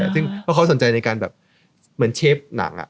ซึ่งเพราะเขาสนใจในการแบบเหมือนเชฟหนัง